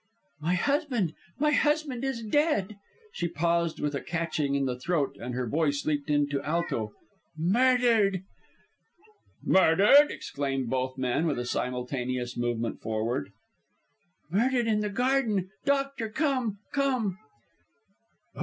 "My husband my husband is dead!" She paused with a catching in the throat, then her voice leaped to alto: "Murdered!" "Murdered!" exclaimed both men, with a simultaneous movement forward. "Murdered, in the garden! Doctor, come! come!"